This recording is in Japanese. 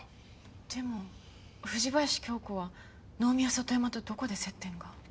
でも藤林経子は能見や外山とどこで接点が？